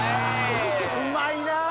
うまいな！